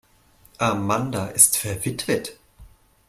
Amanda ist verwitwet.